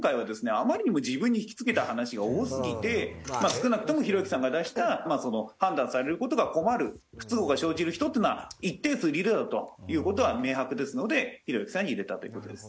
あまりにも自分に引きつけた話が多すぎて少なくともひろゆきさんが出した判断される事が困る不都合が生じる人っていうのは一定数いるだろうという事は明白ですのでひろゆきさんに入れたという事です。